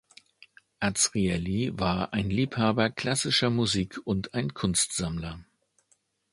Azrieli war ein Liebhaber klassischer Musik und ein Kunstsammler.